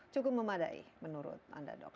cukup memadai menurut anda dok